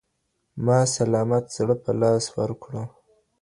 ما سلامت زړه په لاس ورکړو